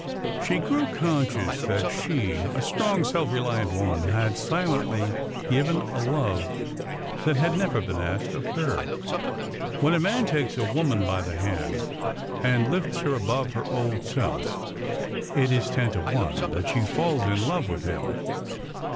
She grew conscious that she, a strong, self reliant woman, had silently given a love that had never been asked of her. When a man takes a woman by the hand, and lifts her above her old self, it is ten to one that she falls in love with him.